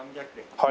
はい。